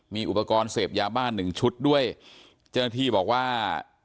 มีอุปกรณ์เสพยาบ้านหนึ่งชุดด้วยเจ้าหน้าที่บอกว่า